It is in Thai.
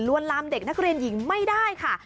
ลามเด็กนักเรียนหญิงไม่ได้ค่ะ